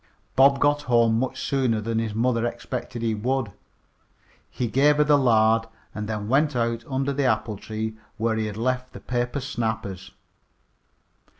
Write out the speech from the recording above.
Bob got home much sooner than his mother expected he would. He gave her the lard, and then went out under the apple tree where he had left the paper snappers.